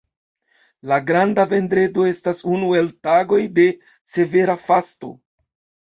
La Granda vendredo estas unu el tagoj de severa fasto.